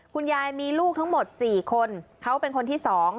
คุณยายมีลูกทั้งหมด๔คนเขาเป็นคนที่๒